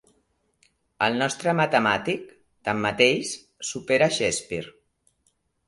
El nostre matemàtic, tanmateix, supera Shakespeare.